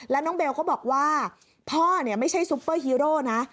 แล้วน้องเบลก็บอกว่าพ่อไม่ใช่ซุปเปอร์ฮีโร่นะ